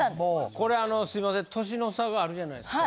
これはあのすいません年の差があるじゃないですか。